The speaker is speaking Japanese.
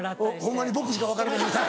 ホンマに僕しか分からない。